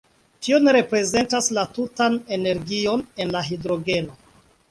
Tio ne reprezentas la tutan energion en la hidrogeno.